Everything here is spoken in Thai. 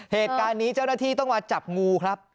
เหตุการณ์นี้เจ้าหน้าที่ต้องมาจับงูครับ